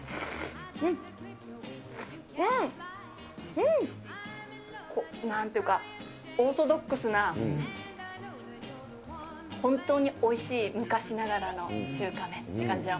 うん！なんていうか、オーソドックスな、本当においしい昔ながらの中華麺っていう感じの。